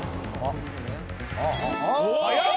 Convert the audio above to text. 早っ！